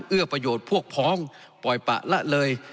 เอื้อประโยชน์พวกพ้องปล่อยปะละเลย